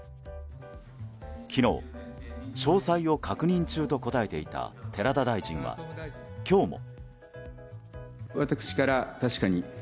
昨日、詳細を確認中と答えていた寺田大臣は今日も。